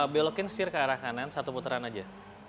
belokin setir ke arah kanan satu putaran aja